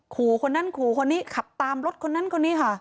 ขู่คนนั้นขู่คนนี้ขับตามรถคนนั้นคนนี้ค่ะ